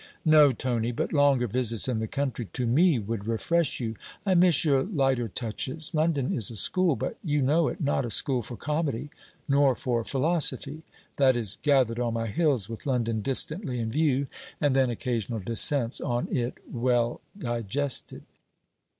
'No, Tony; but longer visits in the country to me would refresh you. I miss your lighter touches. London is a school, but, you know it, not a school for comedy nor for philosophy; that is gathered on my hills, with London distantly in view, and then occasional descents on it well digested.'